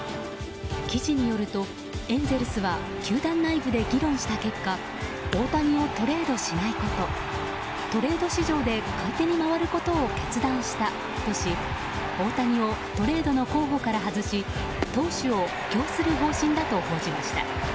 記事によるとエンゼルスが球団内部で議論した結果大谷をトレードしないことトレード市場で買い手に回ることを決断したとし大谷をトレードの候補から外し投手を補強する方針だと報じました。